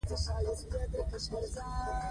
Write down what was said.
پاکه انرژي چاپېریال ته ګټه رسوي.